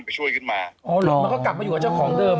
ไปช่วยขึ้นมาอ๋อเหรอมันก็กลับมาอยู่กับเจ้าของเดิม